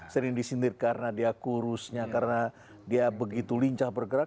sering disindir karena dia kurusnya karena dia begitu lincah bergerak